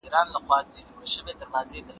د سولې ساتنه يې تر وروستۍ ورځې مهمه وه.